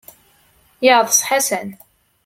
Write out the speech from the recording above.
Yeɛḍes Ḥasan.